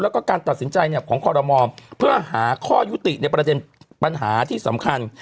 แล้วก็การตัดสินใจของคอรมอลเพื่อหาข้อยุติในประเด็นปัญหาที่สำคัญ